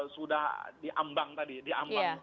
sudah diambang tadi diambang